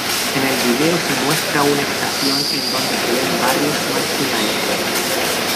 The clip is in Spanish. En el vídeo se muestra una estación en donde se ven barrios marginales.